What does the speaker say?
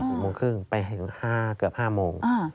๔โมงครึ่งไปถึงห้าเกือบห้าโมงอ่า